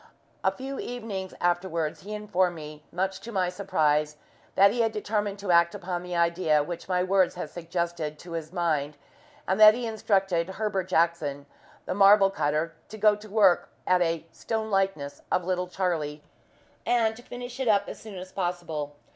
A few evenings afterwards he informed me, much to my surprise, that he had determined to act upon the idea which my words had suggested to his mind, and that he had instructed Heber Jackson, the marble cutter, to go to work at a "stone likeness" of little Charlie, and to finish it up as soon as possible.